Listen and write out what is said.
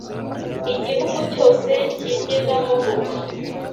Igihugu cyose kiryegama ho